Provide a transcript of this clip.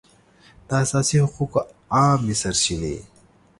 د اساسي حقوقو عامې سرچینې